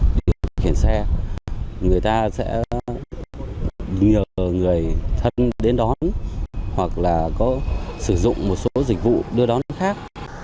điều khiển xe người ta sẽ nhờ người thân đến đón hoặc là có sử dụng một số dịch vụ đưa đón khác